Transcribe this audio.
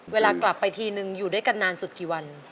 เวลากลับไปทีนึงอยู่ด้วยกันนานสุดกี่วัน